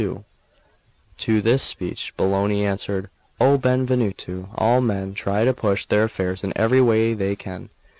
Primaticcio. XXXII TO this speech Bologna answered: "O Benvenuto! all men try to push their affairs in every way they can.